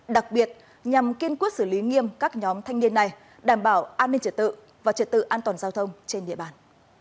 đặc biệt nhằm kiên quyết xử lý nghiêm các nhóm thanh niên này đảm bảo an ninh trật tự và trật tự an toàn giao thông trên địa bàn